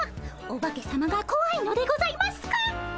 オバケさまがこわいのでございますか？